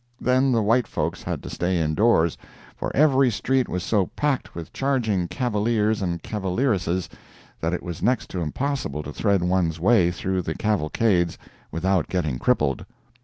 Then the white folks had to stay indoors, for every street was so packed with charging cavaliers and cavalieresses that it was next to impossible to thread one's way through the cavalcades without getting crippled.